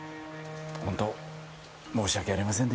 ホント申し訳ありませんでした。